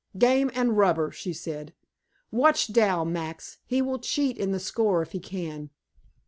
"Game and rubber," she said. "Watch Dal, Max; he will cheat in the score if he can.